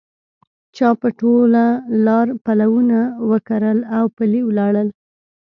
چا په ټول لاره پلونه وکرل اوپلي ولاړه